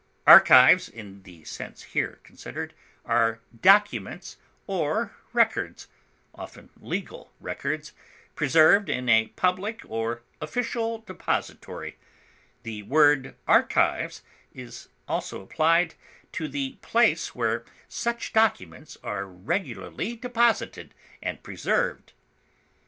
Archives, in the sense here considered, are documents or records, often legal records, preserved in a public or official depository; the word archives is also applied to the place where such documents are regularly deposited and preserved.